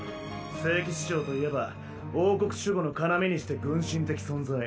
聖騎士長といえば王国守護の要にして軍神的存在。